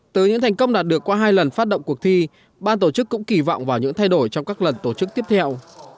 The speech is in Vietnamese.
từ những thành công đạt được qua hai lần phát động cuộc thi ban tổ chức cũng kỳ vọng vào những thay đổi trong các lần tổ chức tiếp theo